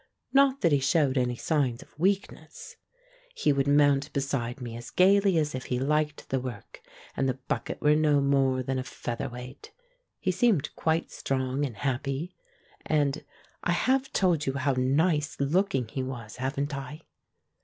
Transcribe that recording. Not that he showed any signs of weakness. He would mount beside me as gaily as if he liked the work and the bucket were no more than a feather weight. He seemed quite strong and happy, and I have told you how nice looking he was, haven't I?